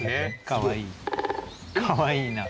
かわいいな。